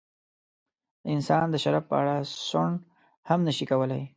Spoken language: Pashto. د انسان د شرف په اړه سوڼ هم نشي کولای.